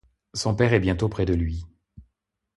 Son père est bientôt près de lui.